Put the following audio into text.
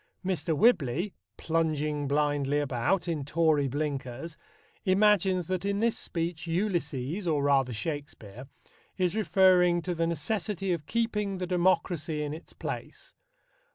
Mr. Whibley, plunging blindly about in Tory blinkers, imagines that in this speech Ulysses, or rather Shakespeare, is referring to the necessity of keeping the democracy in its place.